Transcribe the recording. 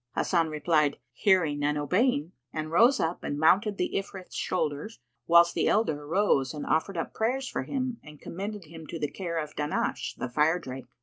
Hasan replied, "Hearing and obeying," and rose up and mounted the Ifrit's shoulders, whilst the elders rose and offered up prayers for him and commended him to the care of Dahnash the Firedrake.